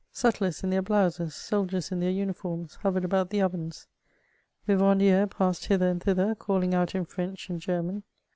Sutlers in their blouses, soldiers in uieir unifinrms, hovered about the ovens. Vivandieres passed hither and thither, calling out in French and German.